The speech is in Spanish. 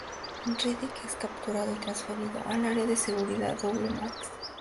Riddick es capturado y transferido al área de seguridad "double-max".